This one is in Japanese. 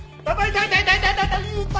痛い！